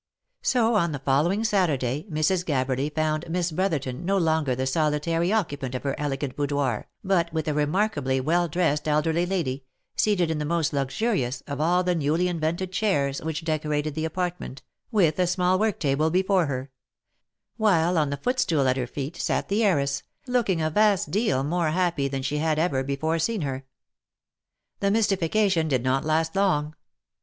So, on the following Saturday, Mrs. Gabberly found Miss Bro therton no longer the solitary occupant of her elegant boudoir, but with a remarkably well dressed elderly lady, seated in the most luxurious of all the newly invented chairs which decorated the apartment, with a small work table before her ; while on the foot stool at her feet, sat the heiress, looking a vast deal more happy than she had ever before seen her. The mystification did not last long.